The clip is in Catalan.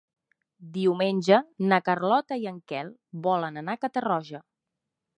Diumenge na Carlota i en Quel volen anar a Catarroja.